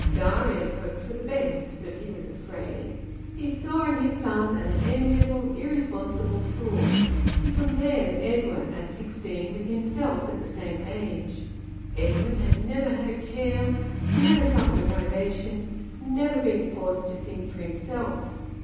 Darius hoped for the best, but he was afraid. He saw in his son an amiable irresponsible fool. He compared Edwin at sixteen with himself at the same age. Edwin had never had a care, never suffered a privation, never been forced to think for himself.